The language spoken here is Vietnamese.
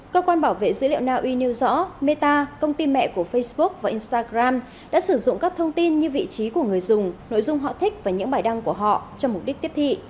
cơ quan bảo vệ dữ liệu na uy nêu rõ meta công ty mẹ của facebook và instagram đã sử dụng các thông tin như vị trí của người dùng nội dung họ thích và những bài đăng của họ cho mục đích tiếp thị